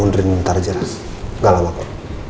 mundur ini ntar jaras gak lama pak